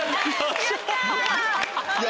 やった！